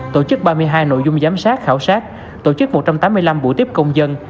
tổ chức ba mươi hai nội dung giám sát khảo sát tổ chức một trăm tám mươi năm buổi tiếp công dân